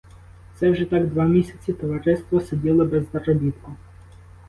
І це вже так два місяці товариство сиділо без заробітку.